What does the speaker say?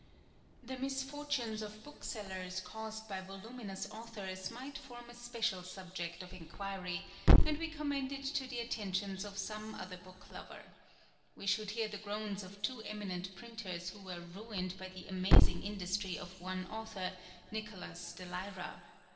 The misfortunes of booksellers caused by voluminous authors might form a special subject of inquiry, and we commend it to the attentions of some other Book lover. We should hear the groans of two eminent printers who were ruined by the amazing industry of one author, Nicholas de Lyra.